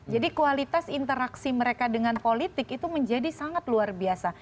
kualitas interaksi mereka dengan politik itu menjadi sangat luar biasa